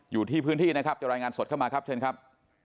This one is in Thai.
อยู่ที่พื้นที่นะครับจะรายงานสดเข้ามาครับเชิญครับ